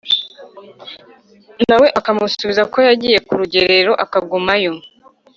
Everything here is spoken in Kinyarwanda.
na we akamusubiza ko yagiye ku rugerero akagumayo